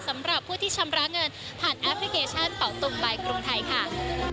สำหรับผู้ที่ชำระเงินผ่านแอปพลิเคชันเป่าตุงใบกรุงไทยค่ะ